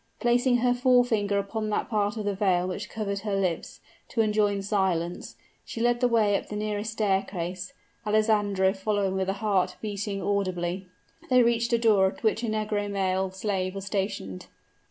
Placing her forefinger upon that part of the veil which covered her lips, to enjoin silence, she led the way up the nearest staircase, Alessandro following with a heart beating audibly. They reached a door at which a negro male slave was stationed.